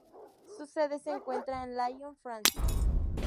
Su sede se encuentra en Lyon, Francia.